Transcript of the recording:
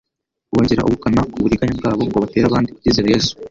bongera ubukana ku buriganya bwabo ngo batere abandi kutizera Yesu,